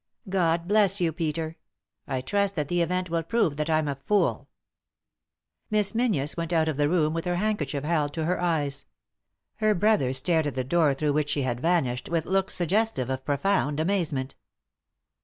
God bless you, Peter I I trust that the event will prove that I'm a fool." Miss Meozies went out of the room with her hand kerchief held to her eyes. Her brother stared at the door through which she had vanished with looks suggestive of profound amazement.